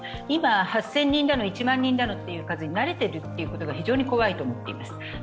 今、８０００人だの１万人だのという数字に慣れていることが非常に怖いと思っています。